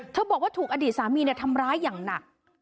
บอกว่าถูกอดีตสามีทำร้ายอย่างหนัก